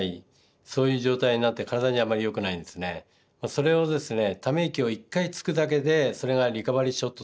それをですね